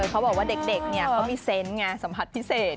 เขาบอกว่าเด็กเขามีเซนต์ไงสัมผัสพิเศษ